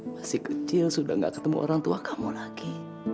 masih kecil sudah gak ketemu orang tua kamu lagi